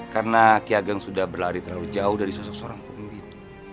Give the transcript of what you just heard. karena ki ageng sudah berlari terlalu jauh dari sosok seorang pemimpin